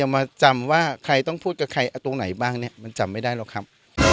มาจำว่าใครต้องพูดกับใครตรงไหนบ้างเนี่ยมันจำไม่ได้หรอกครับ